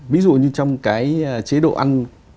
ví dụ như trong cái chế độ ăn